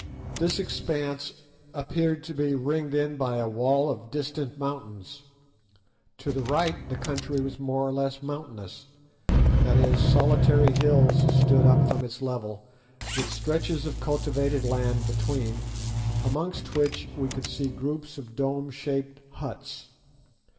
This expanse appeared to be ringed in by a wall of distant mountains. To the right the country was more or less mountainous; that is, solitary hills stood up from its level, with stretches of cultivated land between, amongst which we could see groups of dome shaped huts.